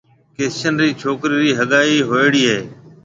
ڪرشن ريَ ڇوڪريَ رِي هگائي هوئيوڙِي هيَ۔